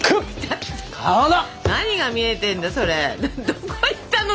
どこ行ったの？